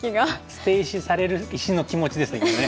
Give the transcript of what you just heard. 捨て石される石の気持ちですね